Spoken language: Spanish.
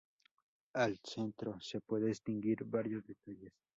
Al centro se puede distinguir varios detalles.